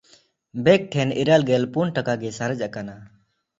ᱵᱮᱠ ᱴᱷᱮᱱ ᱤᱨᱟᱹᱞᱜᱮᱞ ᱯᱩᱱ ᱴᱟᱠᱟ ᱜᱮ ᱥᱟᱨᱮᱡ ᱠᱟᱱᱟ᱾